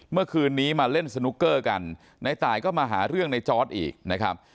เมื่อคืนนี้มาเล่นสนุกเกอร์กันในตายก็มาหาเรื่องในจอร์ดอีกนะครับ